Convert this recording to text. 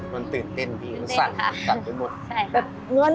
มันตื่นเต้นดีมันสั่นสั่นไปหมด